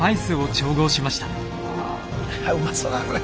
うまそうだなこれ。